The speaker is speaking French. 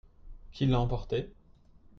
Qui l'a emporté ?